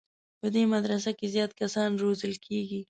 په دې مدرسو کې زیات کسان روزل کېږي.